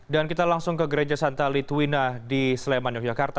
dan kita langsung ke gereja santa litwina di sleman yogyakarta